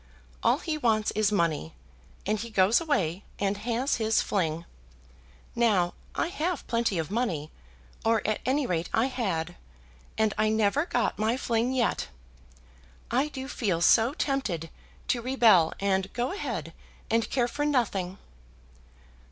All he wants is money, and he goes away and has his fling. Now I have plenty of money, or, at any rate, I had, and I never got my fling yet. I do feel so tempted to rebel, and go ahead, and care for nothing."